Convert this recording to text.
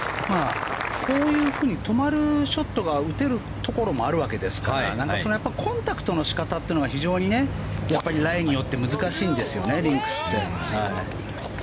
こういうふうに止まるショットが打てるところもあるわけですからコンタクトの仕方というのが非常にライによって難しいんですよねリンクスって。